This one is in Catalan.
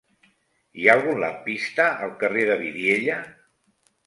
Hi ha algun lampista al carrer de Vidiella?